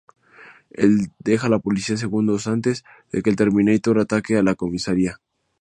El deja la policía segundos antes de que el Terminator ataque la comisaria.